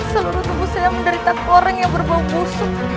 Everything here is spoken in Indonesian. seluruh tubuh saya menderita koreng yang berbau busuk